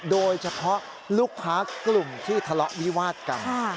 โดยเฉพาะลูกค้ากลุ่มที่ทะเลาะวิวาดกัน